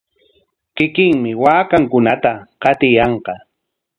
Kikinmi waakankunata qatiykan.